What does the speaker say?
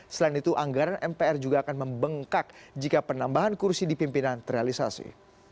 selain itu anggaran mpr juga akan membengkak jika penambahan kursi di pimpinan terrealisasi